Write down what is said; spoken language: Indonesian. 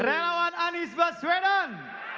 relawan anies baswedan